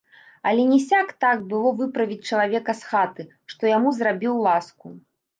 Але не сяк-так было выправіць чалавека з хаты, што яму зрабіў ласку.